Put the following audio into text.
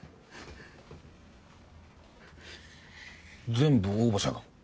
全部応募者か？